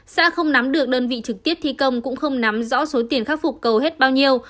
xã không nắm được đơn vị trực tiếp thi công cũng không nắm rõ số tiền khắc phục cầu hết bao nhiêu